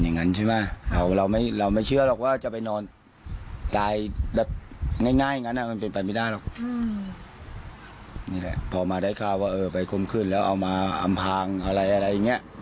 นี่แหละพอมาได้ข่าวว่าเออไปคมขึ้นแล้วเอามาอำพางอะไรอะไรอย่างนี้